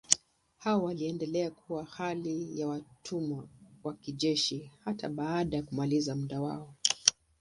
Hao waliendelea kuwa hali ya watumwa wa kijeshi hata baada ya kumaliza muda wao.